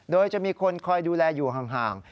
โดยจะมีคนคอยดูแลอยู่ห่าง